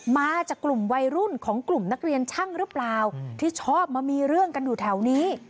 มาจากกลุ่มวัยรุ่นของกลุ่มนักเรียนช่างหรือเปล่าที่ชอบมามีเรื่องกันอยู่แถวนี้